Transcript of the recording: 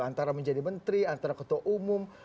antara menjadi menteri antara ketua umum